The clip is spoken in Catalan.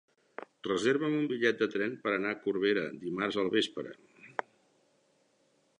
Reserva'm un bitllet de tren per anar a Corbera dimarts al vespre.